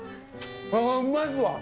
ああ、うまいっすわ。